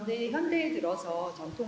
jadi ini sangat beruntung